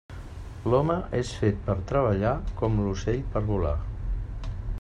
L'home és fet per treballar, com l'ocell per volar.